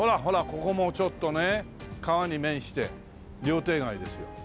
ここもちょっとね川に面して料亭街ですよ。